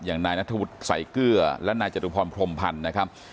อย่างรัฐบุทธรรพ์สายเกลือและนายจัตรุพรพรมพรรณนะครับ